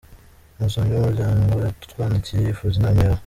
Umusomyi w’ Umuryango yatwandikiye yifuza inama yawe.